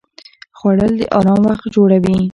خوړل د آرام وخت جوړوي